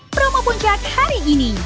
promo puncak hari ini